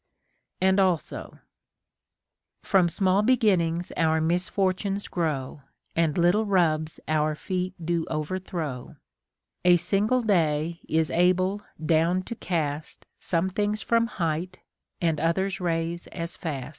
f And also :— From small beginnings our misfortunes grow, And little rubs our feet do overthrow ; A single day is able down to cast Some things from height, and others raise as fast.